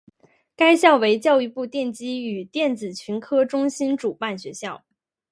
该校为教育部电机与电子群科中心主办学校。